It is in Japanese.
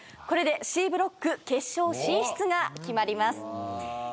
これでＣブロック決勝進出が決まります。